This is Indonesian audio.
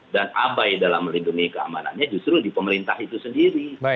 dan abai dalam melindungi keamanannya justru di pemerintah itu sendiri